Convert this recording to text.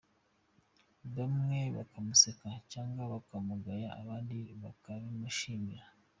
Bamwe bakamuseka cyangwa bakamugaya abandi bakabimushima !